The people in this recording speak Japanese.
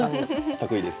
得意です